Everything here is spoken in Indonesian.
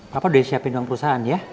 bapak udah siapin uang perusahaan ya